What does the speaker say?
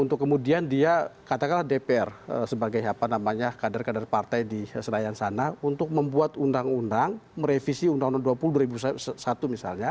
untuk kemudian dia katakanlah dpr sebagai apa namanya kader kader partai di senayan sana untuk membuat undang undang merevisi undang undang dua puluh dua ribu satu misalnya